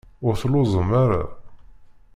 Ur telluẓem ara?